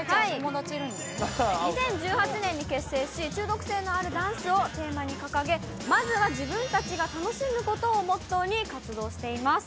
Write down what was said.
２０１８年に結成し、中毒性のあるダンスをテーマに掲げ、まずは、自分たちが楽しむことをモットーに活動しています。